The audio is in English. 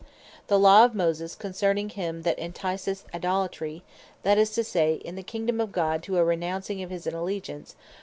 The Law of Moses concerning him that enticeth to Idolatry, (that is to say, in the Kingdome of God to a renouncing of his Allegiance) (Deut.